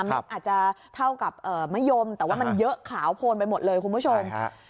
มันอาจจะเท่ากับมะยมแต่ว่ามันเยอะขาวโพนไปหมดเลยคุณผู้ชม